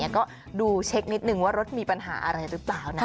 ก็ดูเช็คนิดนึงว่ารถมีปัญหาอะไรหรือเปล่านะ